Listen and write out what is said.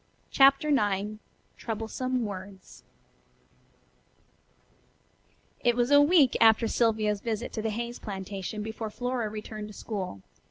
CHAPTER IX TROUBLESOME WORDS It was a week after Sylvia's visit to the Hayes plantation before Flora returned to school.